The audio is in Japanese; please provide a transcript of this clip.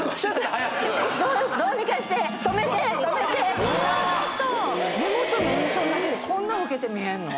早くうわっ目元の印象だけでこんな老けて見えんの？